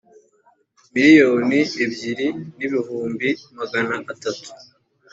miliyoni ebyiri n ibihumbi magana atanu